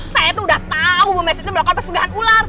saya tuh udah tahu bu messi tuh melakukan pesugihan ular